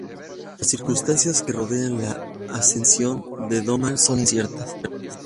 Las circunstancias que rodean la ascensión de Domnall son inciertas.